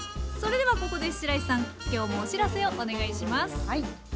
それではここでしらいさん今日もお知らせをお願いします。